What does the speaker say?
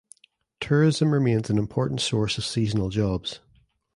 Tourism remains an important source of seasonal jobs.